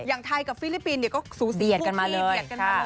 อย่างไทยกับฟิลิปปินส์เนี่ยก็สูสีเบียดกันมาเลย